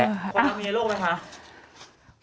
ความลับมีในโลกไหมคะ